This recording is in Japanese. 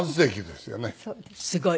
すごい。